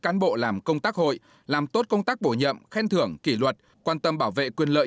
cán bộ làm công tác hội làm tốt công tác bổ nhậm khen thưởng kỷ luật quan tâm bảo vệ quyền lợi